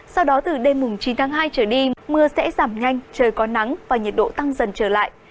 sau đó từ đêm chín tháng hai trở đi mưa sẽ giảm nhanh trời có nắng và nhiệt độ tăng dần trở lại